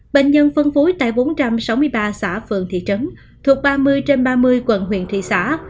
bệnh nhân phân phối tại bốn trăm sáu mươi ba xã phường thị trấn thuộc ba mươi trên ba mươi quận huyện thị xã